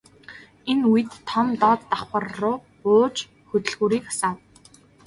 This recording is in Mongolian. Энэ үед Том доод давхарруу бууж хөдөлгүүрийг асаав.